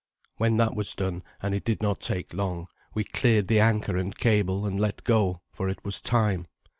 When that was done, and it did not take long, we cleared the anchor and cable and let go, for it was time.